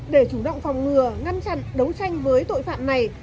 để chủ động phòng ngừa ngăn chặn đấu tranh với tội phạm này